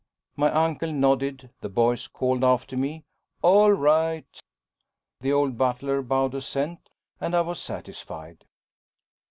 My uncle nodded; the boys called after me, "All right;" the old butler bowed assent, and I was satisfied.